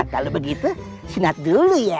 kalau begitu sinat dulu ya